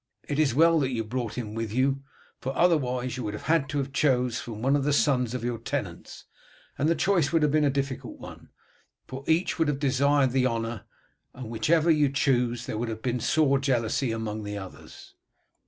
It is well that you brought him with you, for otherwise you would have had to choose one of the sons of your tenants, and the choice would have been a difficult one, for each would have desired the honour, and whichever you chose there would have been sore jealousy among the others."